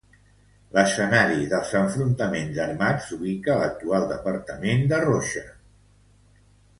L'escenari dels enfrontaments armats s'ubica a l'actual departament de Rocha.